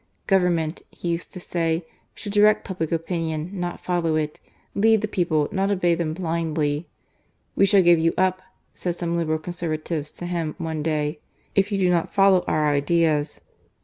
" Government," he used to say, "should direct public opinion, not follow it; lead the people, not obey them blindly," " We shall give you up," said some Liberal Conservatives to him one day, "if you do not follow our ideas."